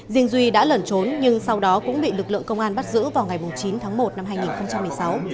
riêng duy đã lẩn trốn nhưng sau đó cũng bị lực lượng công an bắt giữ vào ngày chín tháng một năm hai nghìn một mươi sáu